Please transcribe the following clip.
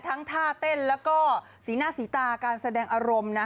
ทั้งท่าเต้นแล้วก็สีหน้าสีตาการแสดงอารมณ์นะ